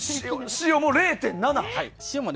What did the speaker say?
塩も０．７。